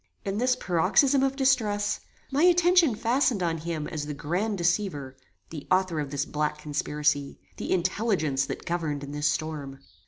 In this paroxysm of distress, my attention fastened on him as the grand deceiver; the author of this black conspiracy; the intelligence that governed in this storm.